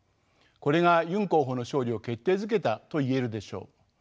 これがユン候補の勝利を決定づけたと言えるでしょう。